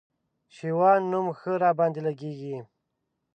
شېوان نوم ښه راباندي لګېږي